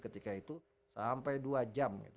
ketika itu sampai dua jam gitu